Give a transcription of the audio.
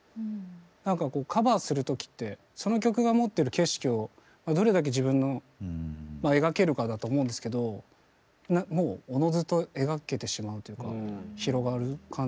なんかこうカバーする時ってその曲が持ってる景色をどれだけ自分の描けるかだと思うんですけどもうおのずと描けてしまうというか広がる感じはしましたね。